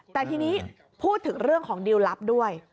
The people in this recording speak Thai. แต่ทีนี้พูดถึงเรื่องของดิวลลับด้วย